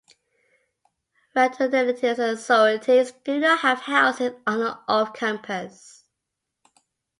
Fraternities and sororities do not have houses on or off campus.